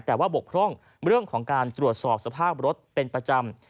แต่ว่าบกพร่องเรื่องของการตรวจสอบสภาพรถเป็นประจำ